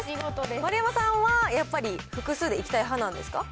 丸山さんは、やっぱり複数で行きたい派なんですか？